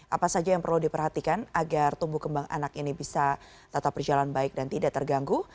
apa saja yang perlu diperhatikan agar tumbuh kembang anak ini bisa tetap berjalan baik dan tidak terganggu